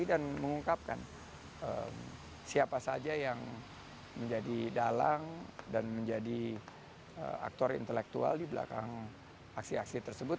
mengungkapkan siapa saja yang menjadi dalang dan menjadi aktor intelektual di belakang aksi aksi tersebut